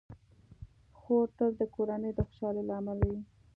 خور تل د کورنۍ د خوشحالۍ لامل وي.